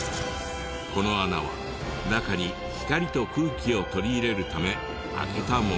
この穴は中に光と空気を取り入れるため開けたものだった。